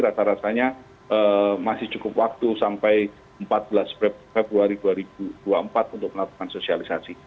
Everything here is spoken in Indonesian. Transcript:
rata ratanya masih cukup waktu sampai empat belas februari dua ribu dua puluh empat untuk melakukan sosialisasi